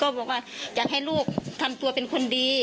บอกว่าอยากให้ลูกทำตัวเป็นคนดี